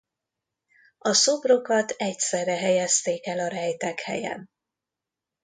A szobrokat egyszerre helyezték el a rejtekhelyen.